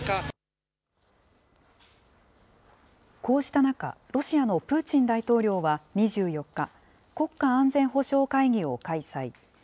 こうした中、ロシアのプーチン大統領は２４日、国家安全保障会議を開催。